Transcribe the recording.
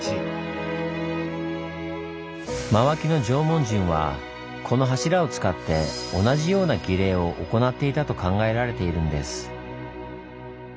真脇の縄文人はこの柱を使って同じような儀礼を行っていたと考えられているんです。